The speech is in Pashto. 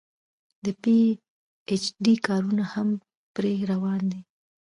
د پي ايچ ډي کارونه هم پرې روان دي